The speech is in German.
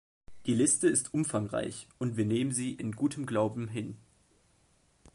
Die Liste ist umfangreich, und wir nehmen sie in gutem Glauben hin.